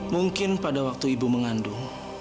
mungkin pada waktu ibu mengandung